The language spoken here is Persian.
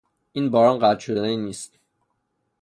این باران قطع شدنی نیست!